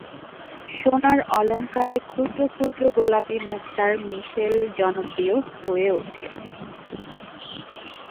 সোনার অলঙ্কারে ক্ষুদ্র ক্ষুদ্র গোলাপি মুক্তার মিশেল জনপ্রিয় হয়ে ওঠে।